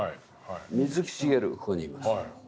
水木しげるここにいます。